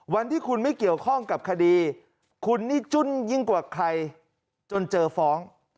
วันที่คุณไม่เกี่ยวข้องกับคดีคุณนี่จุ้นยิ่งกว่าใครจนเจอฟ้อง